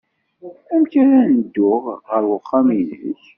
Amek ara n-dduɣ ɣer uxxam-nnek?